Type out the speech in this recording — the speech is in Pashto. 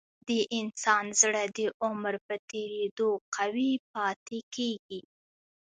د انسان زړه د عمر په تیریدو قوي پاتې کېږي.